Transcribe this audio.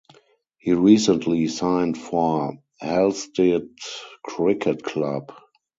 He recently signed for Halstead Cricket Club.